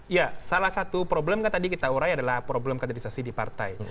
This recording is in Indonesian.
ya salah satu problem kan tadi kita urai adalah problem kaderisasi di partai